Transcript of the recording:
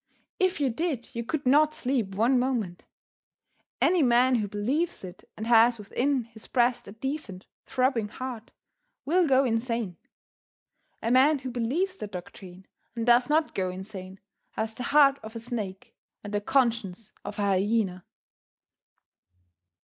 If you did, you could not sleep one moment. Any man who believes it, and has within his breast a decent, throbbing heart, will go insane. A man who believes that doctrine and does not go insane has the heart of a snake and the conscience of a hyena.